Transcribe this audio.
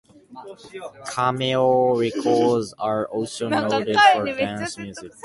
Cameo records are also noted for dance music.